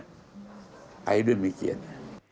เอาให้ด้วยมีเกียรติ